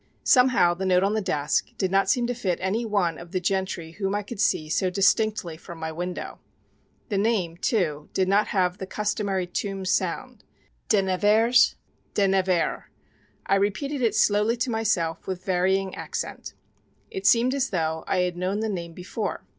Somehow the note on the desk did not seem to fit any one of the gentry whom I could see so distinctly from my window. The name, too, did not have the customary Tombs sound De Nevers? De Nevaire I repeated it slowly to myself with varying accent. It seemed as though I had known the name before.